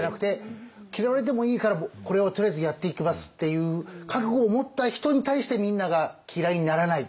嫌われてもいいからこれをとりあえずやっていきますっていう覚悟を持った人に対してみんなが嫌いにならない。